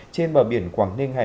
trên bờ biển quảng ninh hải